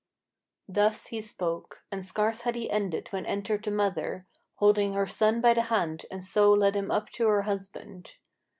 Thus he spoke; and scarce had he ended when entered the mother, Holding her son by the hand, and so led him up to her husband.